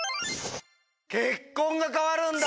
結婚が変わるんだ。